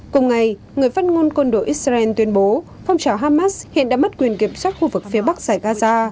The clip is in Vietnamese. cùng ngày người phát ngôn côn đồ israel tuyên bố phong trào hamas hiện đã mất quyền kiểm soát khu vực phía bắc giải gaza